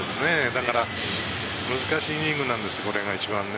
だから難しいイニングです、ここが一番。